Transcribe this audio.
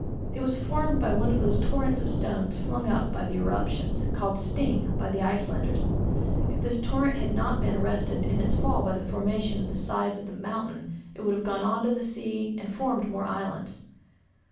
It was formed by one of those torrents of stones flung up by the eruptions, called 'sting' by the Icelanders. If this torrent had not been arrested in its fall by the formation of the sides of the mountain, it would have gone on to the sea and formed more islands.